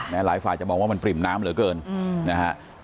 หลายฝ่ายจะมองว่ามันปริ่มน้ำเหลือเกินนะฮะ